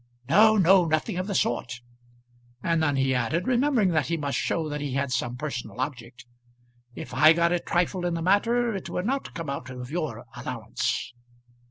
"No, no; nothing of the sort." And then he added, remembering that he must show that he had some personal object, "If I got a trifle in the matter it would not come out of your allowance."